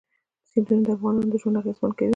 سیندونه د افغانانو ژوند اغېزمن کوي.